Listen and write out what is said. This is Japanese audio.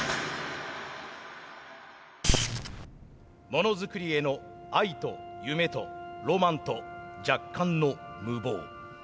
ものづくりへの愛と夢とロマンと若干の無謀。